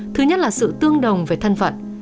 thứ nhất là sự tương đồng về thân phận